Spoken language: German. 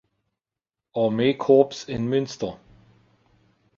Armee-Korps in Münster.